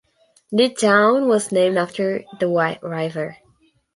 The town was named after the White River.